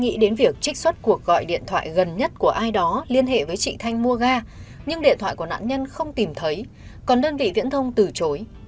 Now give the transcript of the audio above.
nghĩ đến việc trích xuất cuộc gọi điện thoại gần nhất của ai đó liên hệ với chị thanh mua ga nhưng điện thoại của nạn nhân không tìm thấy còn đơn vị viễn thông từ chối